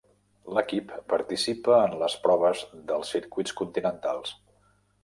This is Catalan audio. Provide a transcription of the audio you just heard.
L'equip participa en les proves dels circuits continentals.